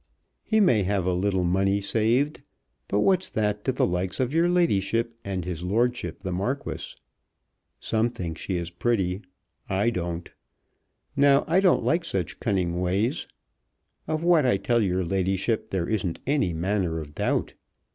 He may have a little money saved, but what's that to the likes of your ladyship and his lordship the Marquis? Some think she is pretty. I don't. Now I don't like such cunning ways. Of what I tell your ladyship there isn't any manner of doubt.